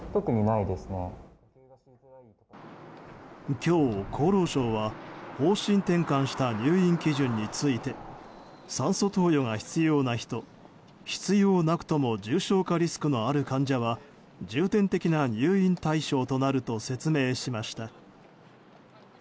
今日、厚労省は方針転換した入院基準について酸素投与が必要な人必要なくとも重症化リスクのある患者は重点的な入院対象となると説明しました。